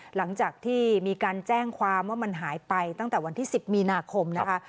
หลังจากที่มีการแจ้งความว่ามันหายไปตั้งแต่วันที่๑๐มีนาคมนะคะ